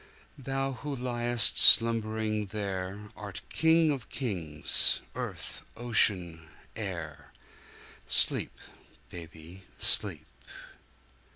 Thou who liest slumbering there, Art King of Kings, earth, ocean, air. Sleep, baby, sleep!